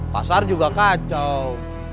pasar juga kacau